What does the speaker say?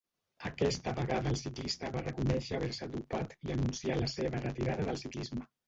Aquesta vegada el ciclista va reconèixer haver-se dopat i anuncià la seva retirada del ciclisme.